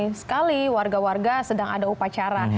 sayang sekali warga warga sedang ada upacara